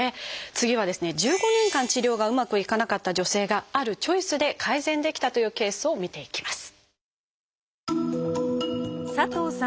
次はですね１５年間治療がうまくいかなかった女性があるチョイスで改善できたというケースを見ていきます。